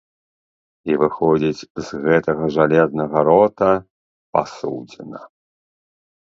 І выходзіць з гэтага жалезнага рота пасудзіна.